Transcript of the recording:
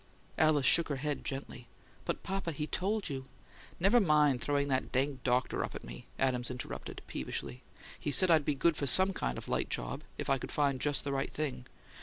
Alice shook her head gently. "But, papa, he told you " "Never mind throwing that dang doctor up at me!" Adams interrupted, peevishly. "He said I'd be good for SOME kind of light job if I could find just the right thing.